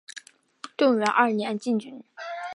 正元二年进军。